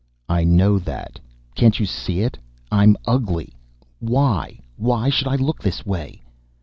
"I know that! Can't you see it I'm ugly! Why? Why should I look this way?"